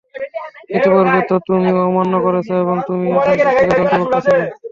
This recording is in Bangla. ইতিপূর্বে তো তুমি অমান্য করেছ এবং তুমি অশান্তি সৃষ্টিকারীদের অন্তর্ভুক্ত ছিলে।